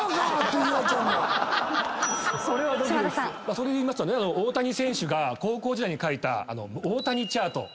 それでいいますとね大谷選手が高校時代に書いた。